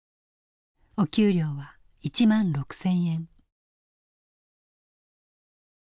お給料は１６，０００円。